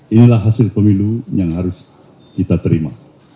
inilah hasil pemilu yang harus kita terima